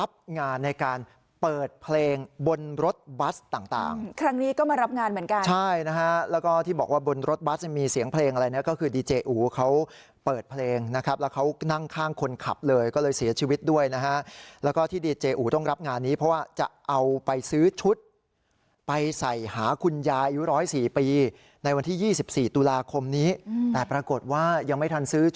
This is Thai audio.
ในการเปิดเพลงบนรถบัสต่างต่างครั้งนี้ก็มารับงานเหมือนกันใช่นะฮะแล้วก็ที่บอกว่าบนรถบัสเนี่ยมีเสียงเพลงอะไรเนี่ยก็คือดีเจอูเขาเปิดเพลงนะครับแล้วเขานั่งข้างคนขับเลยก็เลยเสียชีวิตด้วยนะฮะแล้วก็ที่ดีเจอูต้องรับงานนี้เพราะว่าจะเอาไปซื้อชุดไปใส่หาคุณยายอายุร้อยสี่ปีในวันที่๒๔ตุลาคมนี้แต่ปรากฏว่ายังไม่ทันซื้อ